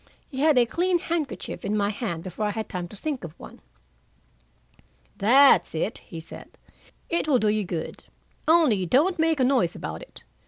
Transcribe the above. He had a clean handkerchief in my hand before I had time to think of one. "That's it," he said. "It will do you good, only don't make a noise about it.